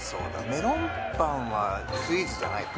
メロンパンはスイーツじゃないか。